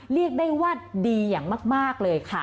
เรียกได้ว่าดีอย่างมากเลยค่ะ